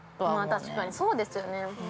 ◆確かにそうですよね。